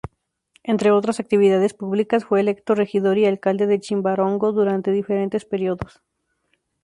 Entre otras actividades públicas, fue electo regidor y alcalde de Chimbarongo, durante diferentes períodos.